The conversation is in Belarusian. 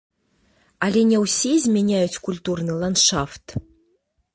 Але не ўсе змяняюць культурны ландшафт.